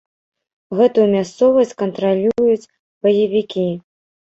Гэтую мясцовасць кантралююць баевікі.